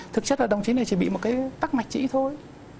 thực chất là đồng chí này chỉ bị một cái tắc mạch chữ thôi